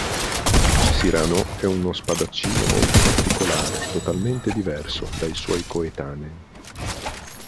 Cyrano è uno spadaccino molto particolare, totalmente diverso dai suoi coetanei.